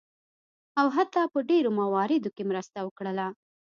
او حتی په ډیرو مواردو کې مرسته وکړله.